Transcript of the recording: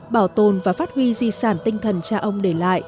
bảo tồn và phát huy di sản tinh thần cha ông để lại